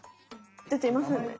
でていませんね！